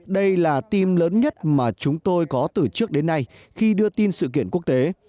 đây là team lớn nhất mà chúng tôi có từ trước đến nay khi đưa tin sự kiện quốc tế